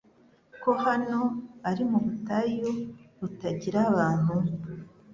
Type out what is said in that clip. ko hano ari mu butayu, butagira abantu ?»